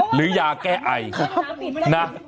หรือยาแก้ไอนะ